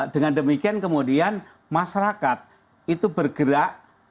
dengan demikian kemudian masyarakat itu bergerak